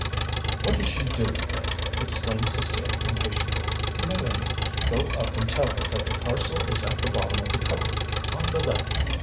"What is she doing, then?" exclaimed Cécile impatiently. "Mélanie, go up and tell her that the parcel is at the bottom of the cupboard, on the left."